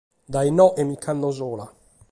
Dae inoghe mi nch’ando sola!